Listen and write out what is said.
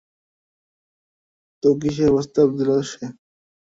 তো, কীসের প্রস্তাব দিল সে?